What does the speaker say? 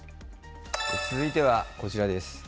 続いてはこちらです。